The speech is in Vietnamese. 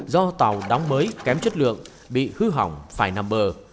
do tàu đóng mới kém chất lượng bị hư hỏng phải nằm bờ